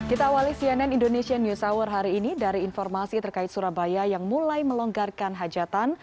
kita awali cnn indonesian news hour hari ini dari informasi terkait surabaya yang mulai melonggarkan hajatan